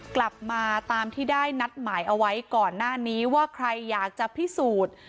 กลับมาตามที่ได้นัดหมายเอาไว้ก่อนหน้านี้ว่าใครอยากจะพิสูจน์